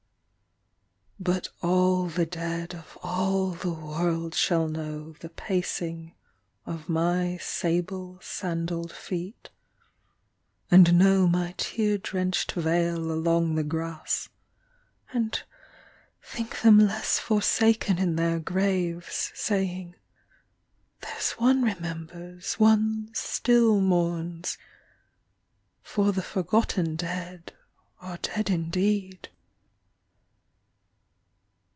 But all the dead of all the world shall know The pacing of my sable sandal d feet, And know my tear drenched veil along the grass, And think them less forsaken in their graves, Saying: There s one remembers, one still mourns; For the forgotten dead are dead indeed.